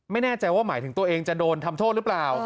ไม่แน่ใจว่าหมายถึงตัวเองจะโดนทำโทษหรือเปล่า